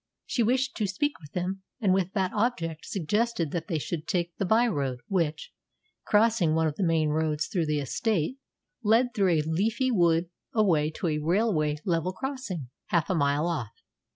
She wished to speak with him, and with that object suggested that they should take the by road which, crossing one of the main roads through the estate, led through a leafy wood away to a railway level crossing half a mile off.